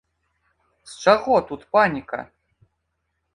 З чаго тут паніка?